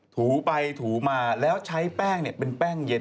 ถูไปถูมาแล้วใช้แป้งเป็นแป้งเย็น